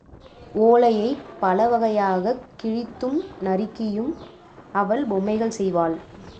ஓலையைப் பலவகையாகக் கிழித்தும், நறுக்கியும் அவள் பொம்மைகள் செய்வாள்.